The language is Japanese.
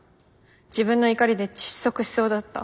自分の怒りで窒息しそうだった。